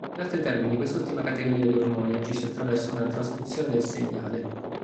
In altri termini, quest'ultima categoria di ormoni agisce attraverso una "trasduzione del segnale".